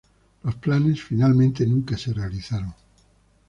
Los planes finalmente nunca se realizaron.